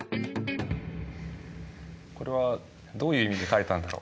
これはどういう意味で書いたんだろう。